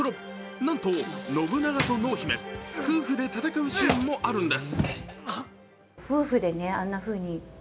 なんと信長と濃姫、夫婦で戦うシーンもあるんです。